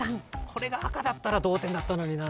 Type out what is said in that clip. これが赤だったら同点だったのにな。